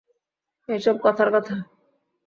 এই সব কথার কথা।